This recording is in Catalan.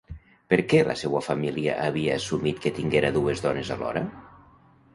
Per què la seua família havia assumit que tinguera dues dones alhora?